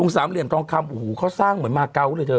สามเหลี่ยมทองคำโอ้โหเขาสร้างเหมือนมาเกาะเลยเธอ